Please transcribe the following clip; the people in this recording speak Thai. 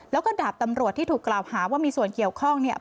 แล้วก็ดาบตำรวจที่ถูกกล่าวหาว่ามีส่วนเกี่ยวข้องเนี่ย